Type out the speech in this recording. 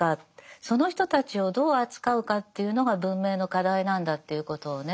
その人たちをどう扱うかというのが文明の課題なんだということをね